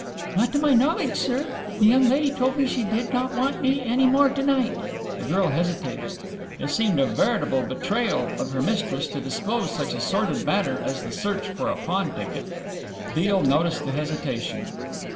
"Not to my knowledge, sir. The young lady told me she did not want me any more to night." The girl hesitated. It seemed a veritable betrayal of her mistress to disclose such a sordid matter as the search for a pawn ticket. Beale noticed the hesitation.